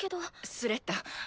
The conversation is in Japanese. スレッタ。